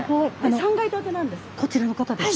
３階建てなんです。